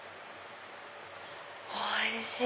おいしい！